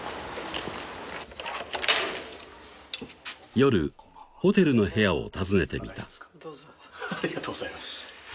夜ホテルの部屋を訪ねてみたどうぞありがとうございます